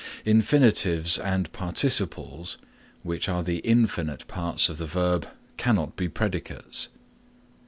Infinitives and participles which are the infinite parts of the verb cannot be predicates.